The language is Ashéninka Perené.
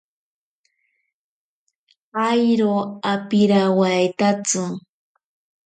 Airo apirawaitatsi.